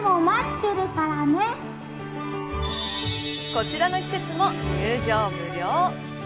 こちらの施設も入場無料。